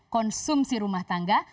konsumsi rumah tangga